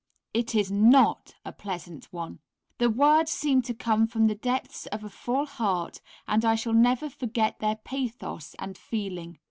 it is not a pleasant one." The words seemed to come from the depths of a full heart, and I shall never forget their pathos and feeling.